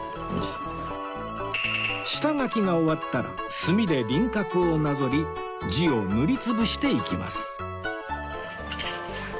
下書きが終わったら墨で輪郭をなぞり字を塗り潰していきます